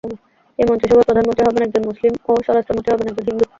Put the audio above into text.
এ মন্ত্রিসভায় প্রধানমন্ত্রী হবেন একজন মুসলিম ও স্বরাষ্ট্র মন্ত্রী হবেন একজন হিন্দু।